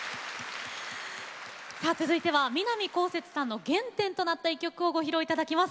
続いては南こうせつさんの原点となった一曲を歌っていただきます。